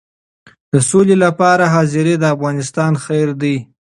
د سولې لپاره حاضري د افغانستان خیر دی.